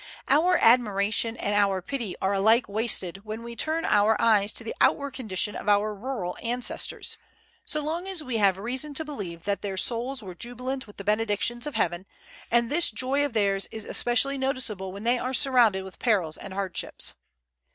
Our admiration and our pity are alike wasted when we turn our eyes to the outward condition of our rural ancestors, so long as we have reason to believe that their souls were jubilant with the benedictions of Heaven; and this joy of theirs is especially noticeable when they are surrounded with perils and hardships.